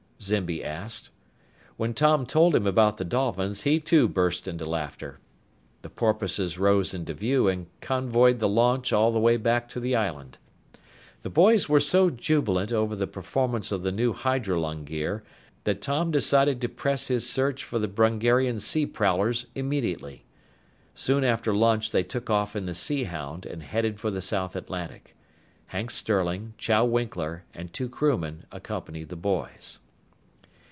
Zimby asked. When Tom told him about the dolphins, he too burst into laughter. The porpoises rose into view and convoyed the launch all the way back to the island. The boys were so jubilant over the performance of the new hydrolung gear that Tom decided to press his search for the Brungarian sea prowlers immediately. Soon after lunch they took off in the Sea Hound and headed for the South Atlantic. Hank Sterling, Chow Winkler, and two crewmen accompanied the boys.